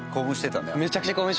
めちゃくちゃ興奮しました。